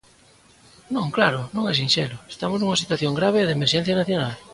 Non claro, non é sinxelo, estamos nunha situación grave e de emerxencia nacional.